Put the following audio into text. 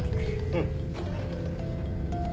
うん。